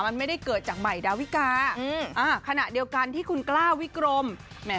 มันไม่ได้เกิดจากใหม่ดาวิกาขณะเดียวกันที่คุณกล้าวิกรมแหม